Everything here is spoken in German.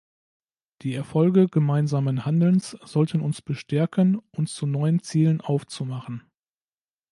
Die Erfolge gemeinsamen Handelns sollten uns bestärken, uns zu neuen Zielen aufzumachen.